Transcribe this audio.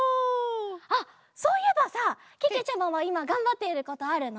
あっそういえばさけけちゃまはいまがんばっていることあるの？